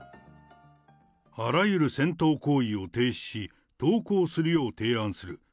あらゆる戦闘行為を停止し、投降するよう提案する。